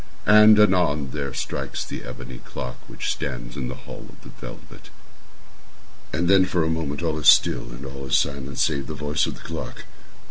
And, anon, there strikes the ebony clock which stands in the hall of the velvet. And then, for a moment, all is still, and all is silent save the voice of the clock.